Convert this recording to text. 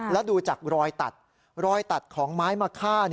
แล้วดูจากรอยตัดรอยตัดของไม้มะค่า